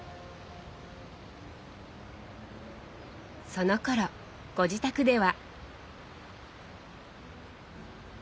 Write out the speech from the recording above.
そのころご自宅では。